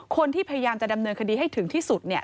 คนที่พยายามจะดำเนินคดีให้ถึงที่สุดเนี่ย